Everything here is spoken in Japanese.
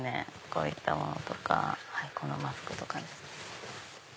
こういったものとかこのマスクとかも。